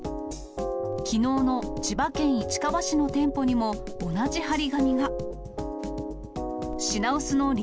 きのうの千葉県市川市の店舗にも、同じ貼り紙が。